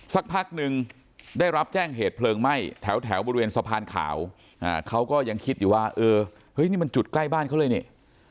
สักพักนึงได้รับแจ้งเหตุเพลิงไหม้แถวบริเวณสะพานขาวเขาก็ยังคิดอยู่ว่าเออเฮ้ยนี่มันจุดใกล้บ้านเขาเลยนี่